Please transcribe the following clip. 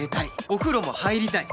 お風呂も入りたい！